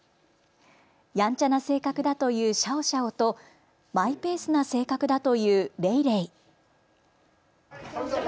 やんちゃな性格だというシャオシャオとマイペースな性格だというレイレイ。